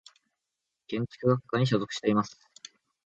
建築学科に所属しています。